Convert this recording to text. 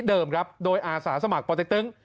เดิมครับโดยอาสาสมัครปเต็กตึง